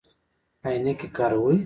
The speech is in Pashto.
عینکې کاروئ؟